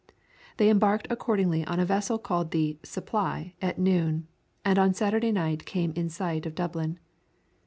They embarked accordingly on a vessel called the SUPPLY at noon, and on Saturday night came in sight of Dublin.